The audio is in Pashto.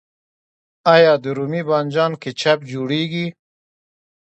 آیا د رومي بانجان کیچپ جوړیږي؟